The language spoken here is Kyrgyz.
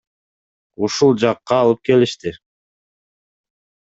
Ушул жакка алып келишти.